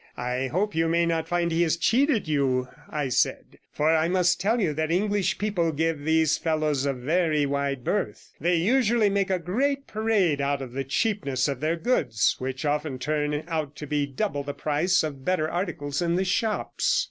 "I hope you may not find he has cheated you," I said, "for I must tell you that English people give these fellows a very wide berth. They usually make a great parade of the cheapness of their goods, which often turn out to be double the price of better articles in the shops."